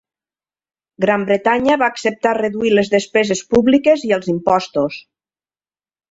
Gran Bretanya va acceptar reduir les despeses públiques i els impostos.